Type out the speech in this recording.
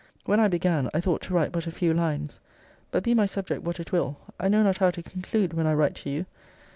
When I began, I thought to write but a few lines. But, be my subject what it will, I know not how to conclude when I write to you.